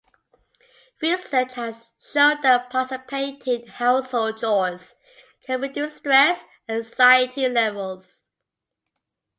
Research has shown that participating in household chores can reduce stress and anxiety levels.